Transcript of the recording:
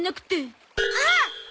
あっ！